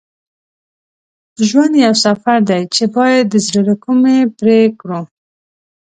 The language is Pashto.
ژوند یو سفر دی چې باید د زړه له کومي پرې کړو.